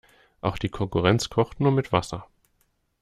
Auch die Konkurrenz kocht nur mit Wasser.